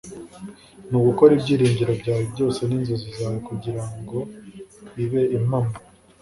ni ugukora ibyiringiro byawe byose ninzozi zanjye kugirango bibe impamo